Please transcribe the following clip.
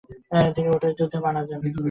তিনি উটের যুদ্ধে মারা যান।